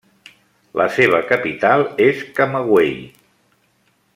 La seva capital és Camagüey.